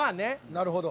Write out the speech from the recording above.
なるほど。